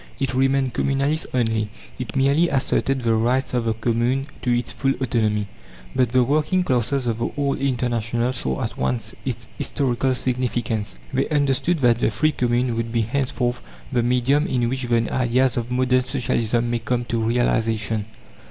It remained communalist only; it merely asserted the rights of the Commune to its full autonomy. But the working classes of the old International saw at once its historical significance. They understood that the free commune would be henceforth the medium in which the ideas of modern Socialism may come to realization.